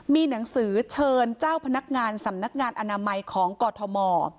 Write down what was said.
มีหนังสือเชิญเจ้าพนักงานสำนักงานอนามัยของกอทม